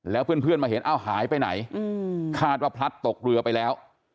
แล้วเพื่อนมาเห็นเอ้าหายไปไหนคาดว่าพลัดตกเรือไปแล้ว